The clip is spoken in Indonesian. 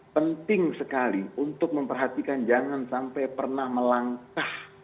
penting sekali untuk memperhatikan jangan sampai pernah melangkah